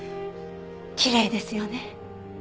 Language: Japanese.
きれいですよね。